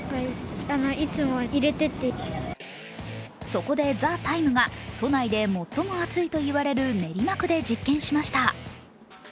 そこで「ＴＨＥＴＩＭＥ，」が都内で最も暑いといわれる練馬区で実験しました。